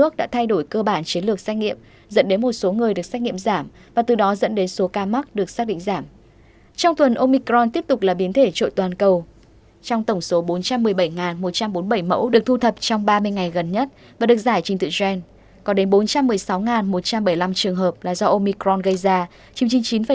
có đến bốn trăm một mươi sáu một trăm bảy mươi năm trường hợp là do omicron gây ra chiếm chín mươi chín tám